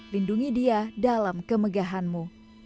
lindungi dia dalam kemegahanmu